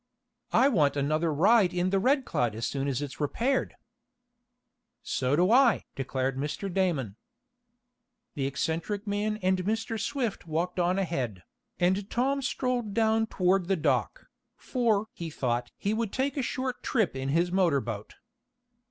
"I want another ride in the Red Cloud as soon as it's repaired." "So do I!" declared Mr. Damon. The eccentric man and Mr. Swift walked on ahead, and Tom strolled down toward the dock, for he thought he would take a short trip in his motor boat.